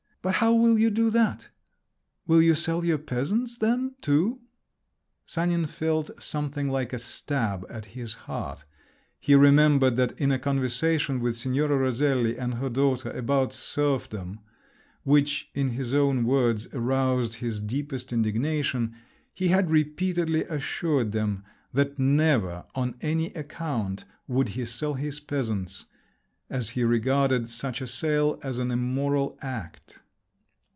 But how will you do that? Will you sell your peasants then, too?" Sanin felt something like a stab at his heart. He remembered that in a conversation with Signora Roselli and her daughter about serfdom, which, in his own words, aroused his deepest indignation, he had repeatedly assured them that never on any account would he sell his peasants, as he regarded such a sale as an immoral act.